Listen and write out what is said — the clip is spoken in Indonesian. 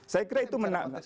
saya kira itu menang